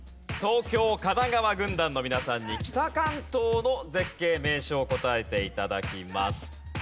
東京・神奈川軍団の皆さんに北関東の絶景・名所を答えて頂きます。